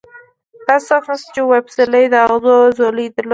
داسې څوک نشته چې ووايي پسرلي د اغزو ځولۍ درلوده.